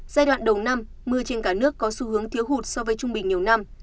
giai đoạn đầu năm mưa trên cả nước có xu hướng thiếu hụt so với trung bình nhiều năm